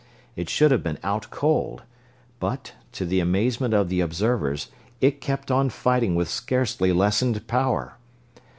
It should have been out, cold but, to the amazement of the observers, it kept on fighting with scarcely lessened power!